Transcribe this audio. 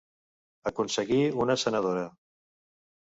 Aconseguí una senadora.